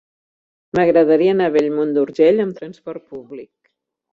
M'agradaria anar a Bellmunt d'Urgell amb trasport públic.